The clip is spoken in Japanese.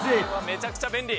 めちゃくちゃ便利。